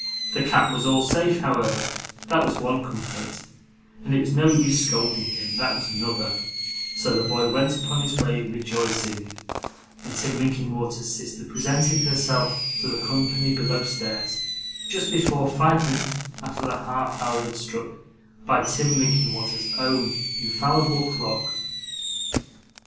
The cap was all safe, however that was one comfort and it was no use scolding him that was another; so the boy went upon his way rejoicing, and Tim Linkinwater's sister presented herself to the company below stairs, just five minutes after the half hour had struck by Tim Linkinwater's own infallible clock.